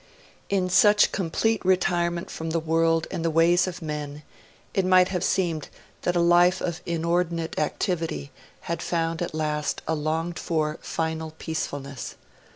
In such complete retirement from the world and the ways of men, it might have seemed that a life of inordinate activity had found at last a longed for, final peacefulness.